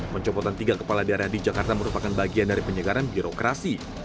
pencopotan tiga kepala daerah di jakarta merupakan bagian dari penyegaran birokrasi